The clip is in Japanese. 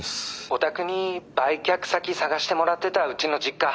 ☎おたくに売却先探してもらってたうちの実家。